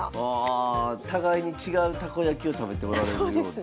互いに違うたこ焼きを食べておられるようですね。